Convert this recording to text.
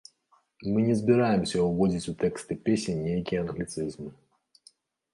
Мы не збіраемся ўводзіць у тэксты песень нейкія англіцызмы.